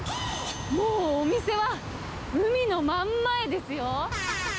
もうお店は、海の真ん前ですよ。